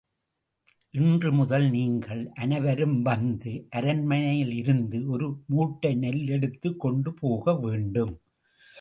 இன்று முதல் நீங்கள் அனைவரும் வந்து, அரண்மனையிலிருந்து ஒரு மூட்டை நெல் எடுத்துக் கொண்டுபோக வேண்டும்.